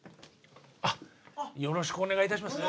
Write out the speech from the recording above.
あっよろしくお願いいたします。